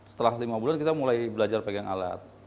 setelah lima bulan kita mulai belajar pegang alat